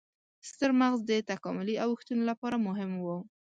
ستر مغز د تکاملي اوښتون لپاره مهم و.